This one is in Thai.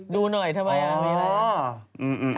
ดูหน่อยทำไม